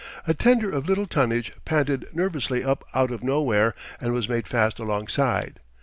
A tender of little tonnage panted nervously up out of nowhere and was made fast alongside.